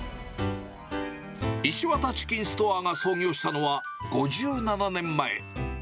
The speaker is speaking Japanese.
石渡チキンストアーが創業したのは、５７年前。